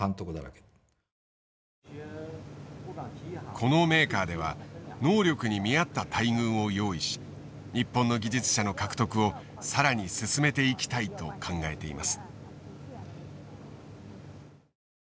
このメーカーでは能力に見合った待遇を用意し日本の技術者の獲得を更に進めていきたいと考えています。